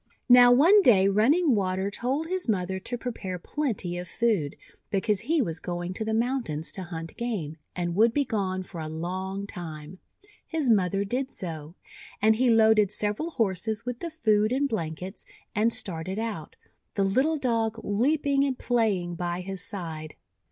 Now, one day Running Water told his mother to prepare plenty of food, because he was going to the mountains to hunt game, and would be gone for a long time. His mother did so; and he loaded several Horses with the food and blankets, and started out, the little Dog leaping and playing by his side.